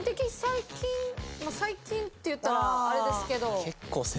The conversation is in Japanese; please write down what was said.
最近って言ったらあれですけど。